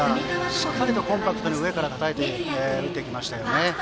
しっかりとコンパクトに上からたたいて打ってきましたね。